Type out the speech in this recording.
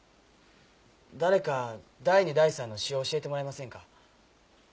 誰か第二第三の詩を教えてもらえませんか？